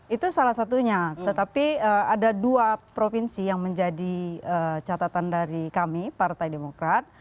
itu salah satunya tetapi ada dua provinsi yang menjadi catatan dari kami partai demokrat